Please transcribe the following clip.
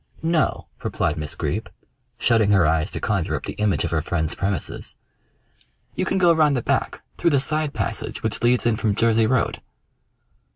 "No," replied Miss Greeb, shutting her eyes to conjure up the image of her friend's premises. "You can go round the back through the side passage which leads in from Jersey Road."